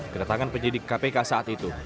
kedatangan penyidik kpk saat itu